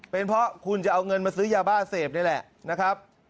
เป็นเพราะคุณจะเอาเงินมาซื้อยาบ้าเสพนี่แหละนะครับ